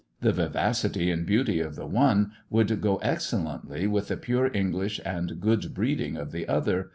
The vivacity and beauty of the one would go excellently with the pure English and good breeding of the other.